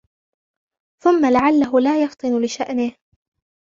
ثُمَّ لَعَلَّهُ لَا يَفْطِنُ لِشَأْنِهِ